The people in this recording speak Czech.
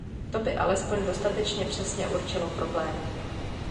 To by alespoň dostatečně přesně určilo problém.